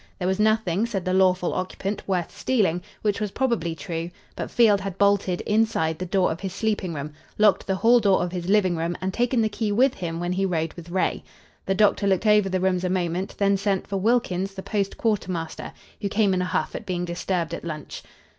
There was nothing, said the lawful occupant, worth stealing, which was probably true; but Field had bolted, inside, the door of his sleeping room; locked the hall door of his living room and taken the key with him when he rode with Ray. The doctor looked over the rooms a moment; then sent for Wilkins, the post quartermaster, who came in a huff at being disturbed at lunch.